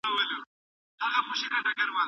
خپل کړه وړه به د اصولو سره سم کوئ.